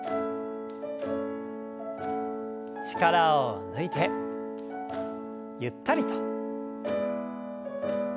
力を抜いてゆったりと。